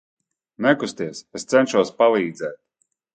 Nekusties, es cenšos palīdzēt.